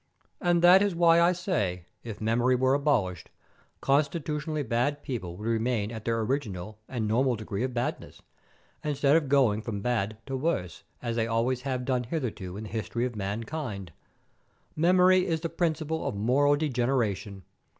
And that is why I say, if memory were abolished, constitutionally bad people would remain at their original and normal degree of badness, instead of going from bad to worse, as they always have done hitherto in the history of mankind. Memory is the principle of moral degeneration.